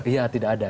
iya tidak ada